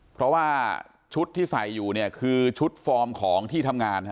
เพราะว่าชุดที่ใส่อยู่เนี่ยคือชุดฟอร์มของที่ทำงาน